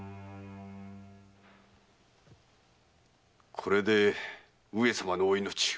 これで上様のお命を。